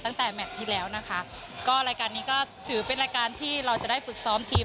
ตั้งแต่แมทที่แล้วนะคะก็รายการนี้ก็ถือเป็นรายการที่เราจะได้ฝึกซ้อมทีม